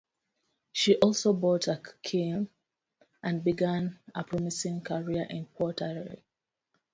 She also bought a kiln, and began a promising career in pottery.